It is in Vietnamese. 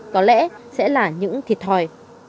có lẽ sẽ là những thiệt thòi